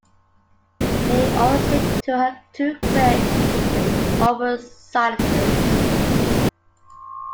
He always seemed to her too quick and almost scientific.